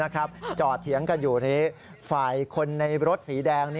จอดเถียงกันอยู่ในฝ่ายคนในรถสีแดง